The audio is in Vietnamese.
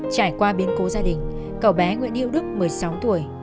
cháu thì tính cách nghe lời